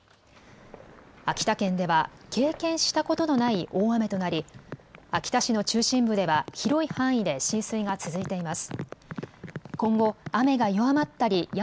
秋田県では経験したことのない大雨となり秋田市の中心部では広い範囲で浸水が続いています。